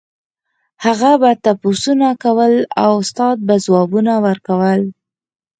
هغه به تپوسونه کول او استاد به ځوابونه ورکول.